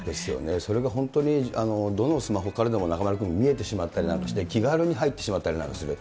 それが本当にどのスマホからでも中丸君、見えてしまったりなんかして、気軽に入ってしまったりなんかする。